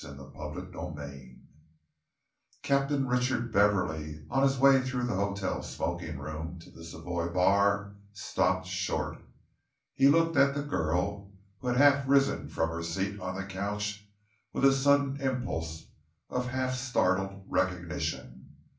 CHAPTER XXIV Captain Richard Beverley, on his way through the hotel smoking room to the Savoy bar, stopped short. He looked at the girl who had half risen from her seat on the couch with a sudden impulse of half startled recognition.